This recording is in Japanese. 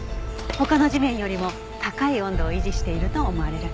他の地面よりも高い温度を維持していると思われる。